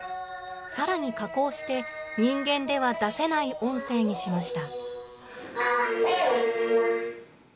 さらに加工して人間では出せない音声にしました。